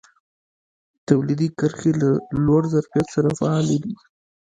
تولیدي کرښې له لوړ ظرفیت سره فعالې دي.